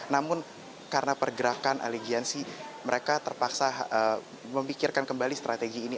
namun karena pergerakan aligiansi mereka terpaksa memikirkan kembali strategi ini